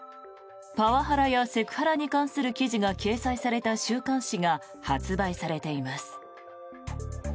パワハラやセクハラに関する記事が掲載された週刊誌が発売されています。